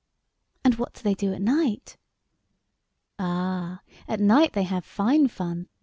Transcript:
55 "And what do they do at night ?"" Ah, at night they have fine fun.